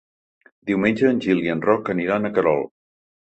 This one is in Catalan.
Diumenge en Gil i en Roc aniran a Querol.